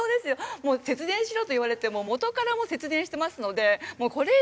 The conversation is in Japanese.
もう節電しろと言われても元からもう節電してますのでもうこれ以上は無理ですね。